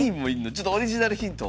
ちょっとオリジナルヒント。